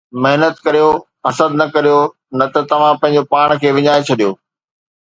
محنت ڪريو، حسد نه ڪريو، نه ته توهان پنهنجو پاڻ کي وڃائي ڇڏيو